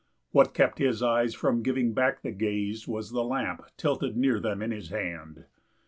What kept his eyes from giving back the gaze Was the lamp tilted near them in his hand.